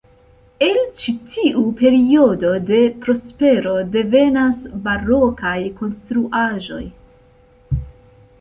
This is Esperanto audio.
El ĉi tiu periodo de prospero devenas barokaj konstruaĵoj.